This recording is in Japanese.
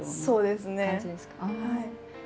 そうですねはい。